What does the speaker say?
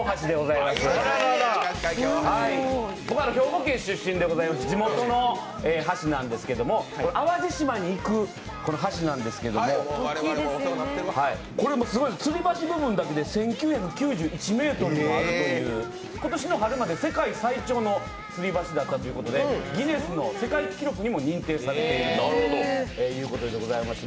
僕は兵庫県出身でございまして地元の橋なんですけれども淡路島に行く橋なんですけどもこれもすごい、つり橋部分だけで１９９１ｍもあるという今年の春まで世界最長のつり橋だったということでギネスの世界記録にも認定されているということでございます。